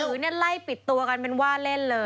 หนังสือไล่ปิดตัวกันเป็นว่าเล่นเลย